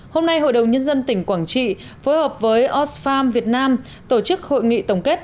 hôm nay hội đồng nhân dân tỉnh quảng trị phối hợp với oxfam việt nam tổ chức hội nghị tổng kết